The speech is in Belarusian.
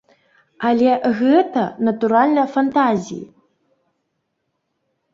Але гэта, натуральна, фантазіі.